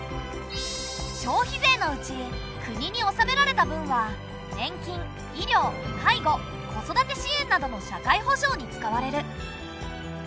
消費税のうち国に納められた分は年金医療介護子育て支援などの社会保障に使われる。